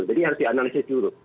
jadi harus dianalisis dulu